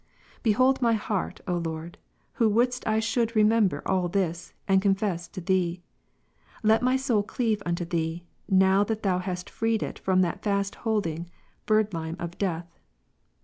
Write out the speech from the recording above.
Behold my heart, O Lord, who wouldest I should remember all this, and confess to Thee. Let my soul cleave unto Thee, now that Thou hast freed it from that fast holding birdlime of death.